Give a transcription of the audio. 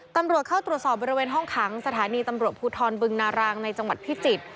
ตำรวจเข้าตรวจสอบบริเวณห้องขังสถานีตำรวจภูทรบึงนารางในจังหวัดพิจิตร